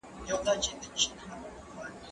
هغه وويل چي چايي څښل ګټور دي!؟